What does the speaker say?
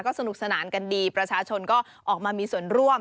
สนุกสนานกันดีประชาชนก็ออกมามีส่วนร่วม